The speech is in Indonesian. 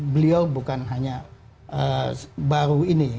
beliau bukan hanya baru ini